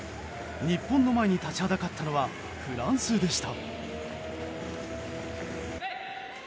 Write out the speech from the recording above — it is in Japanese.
日本の前に立ちはだかったのはフランスでした。